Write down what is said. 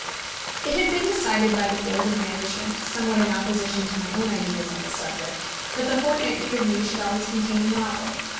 ] It had been decided by the Board of Management, somewhat in opposition to my own ideas on the subject, that the Fortnightly Review should always contain a novel.